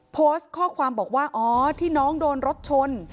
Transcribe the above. โพสต์ข้อความบอกว่าอ๋อที่น้องโดนรถชน